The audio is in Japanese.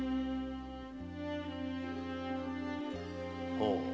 ⁉ほう